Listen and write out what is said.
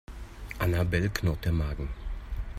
Annabel knurrt der Magen.